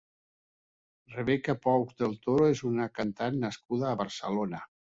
Rebeca Pous Del Toro és una cantant nascuda a Barcelona.